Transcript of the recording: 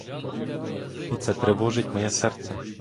І це тривожить моє серце.